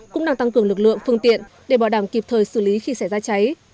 cũng đang tăng cường lực lượng phương tiện để bảo đảm kịp thời xử lý khi xảy ra cháy